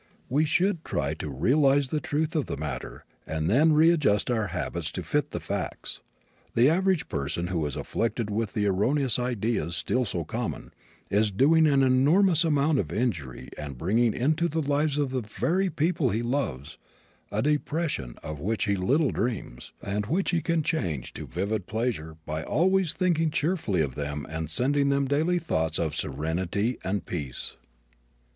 We should try to realize the truth of the matter and then readjust our habits to fit the facts. The average person who is afflicted with the erroneous ideas still so common, is doing an enormous amount of injury and bringing into the lives of the very people he loves a depression of which he little dreams, and which he can change to vivid pleasure by always thinking cheerfully of them and sending them daily thoughts of serenity and peace.